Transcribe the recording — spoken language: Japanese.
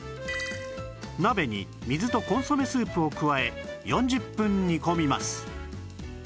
鍋に水とコンソメスープを加え４０分煮込みます